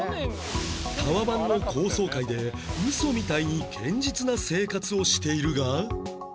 タワマンの高層階でウソみたいに堅実な生活をしているが